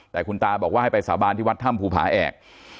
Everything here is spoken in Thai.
แต่คุณตาบอกว่าให้ไปสาบานที่วัดถ้ำภูผาแอก